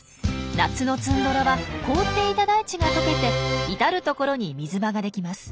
夏のツンドラは凍っていた大地がとけて至る所に水場ができます。